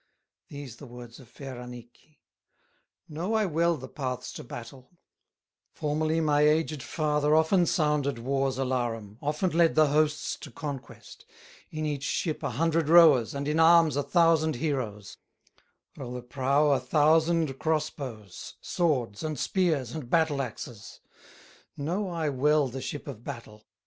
These the words of fair Annikki: "Know I well the paths to battle; Formerly my aged father Often sounded war's alarum, Often led the hosts to conquest; In each ship a hundred rowers, And in arms a thousand heroes, On the prow a thousand cross bows, Swords, and spears, and battle axes; Know I well the ship of battle.